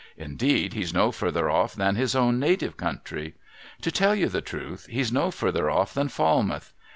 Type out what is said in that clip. Indeed, he's no further off than his own native country. To tell you the truth, he's no further off than Falmouth.